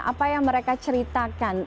apa yang mereka ceritakan